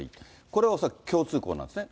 これ、恐らく共通項なんですね。